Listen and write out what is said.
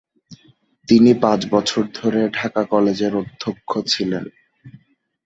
তিনি পাঁচ বছর ধরে ঢাকা কলেজের অধ্যক্ষ ছিলেন।